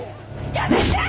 やめて！